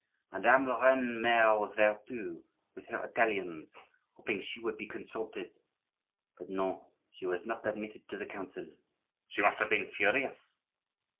Madame la reine mere was there too, with her Italians, hoping she would be consulted; but no, she was not admitted to the council." "She must have been furious."